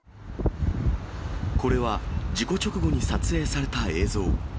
これは、事故直後に撮影された映像。